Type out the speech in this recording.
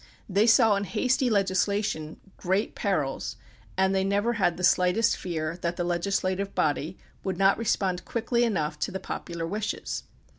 They saw in hasty legislation great perils, and they never had the slightest fear that the legisla tive body would not respond quickly enough to the popular wishes.